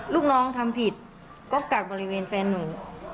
ลูกน้องทำผิดก็กักบริเวณแฟนหนู